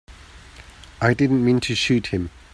I didn't mean to shoot him.